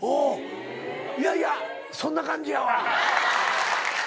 いやいやそんな感じやわ。